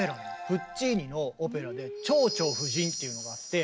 プッチーニのオペラで「蝶々夫人」っていうのがあって。